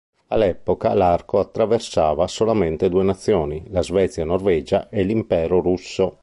All'epoca l'arco attraversava solamente due nazioni: la Svezia-Norvegia e l'Impero Russo.